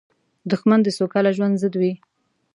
دښمن د سوکاله ژوند ضد وي